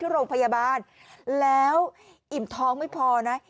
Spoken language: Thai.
โรงพยาบาลแล้วอิ่มท้องไม่พอนะ